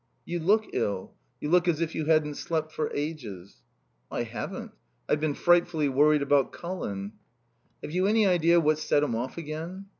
"You look ill. You look as if you hadn't slept for ages." "I haven't. I've been frightfully worried about Colin." "Have you any idea what set him off again?"